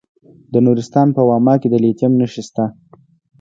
د نورستان په واما کې د لیتیم نښې شته.